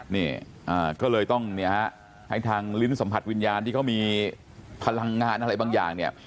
นี่ก็เลยต้องเนี่ยฮะให้ทางลิ้นสัมผัสวิญญาณที่เขามีพลังงานอะไรบางอย่างเนี่ย